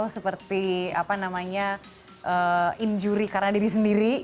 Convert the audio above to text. seperti apa namanya injury karena diri sendiri